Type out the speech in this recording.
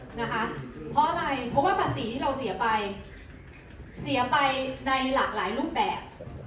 เพราะอะไรเพราะว่าภาษีที่เราเสียไปเสียไปในหลากหลายรูปแบบ